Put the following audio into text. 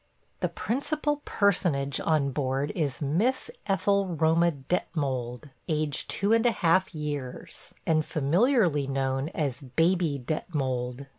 The principal personage on board is Miss Ethel Roma Detmold, aged two and a half years, and familiarity known as Baby Detmold.